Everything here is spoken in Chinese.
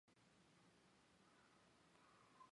氨基糖是一类羟基被氨基取代的糖类。